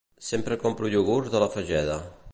Sempre compro iogurts de La Fageda.